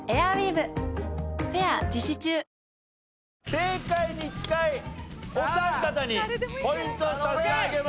正解に近いお三方にポイントを差し上げます。